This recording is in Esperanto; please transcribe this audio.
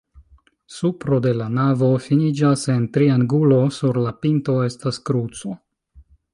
Supro de la navo finiĝas en triangulo, sur la pinto estas kruco.